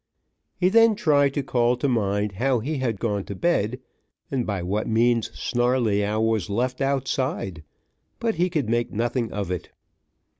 He then tried to call to mind how he had gone to bed, and by what means Snarleyyow was left outside, but he could make nothing of it.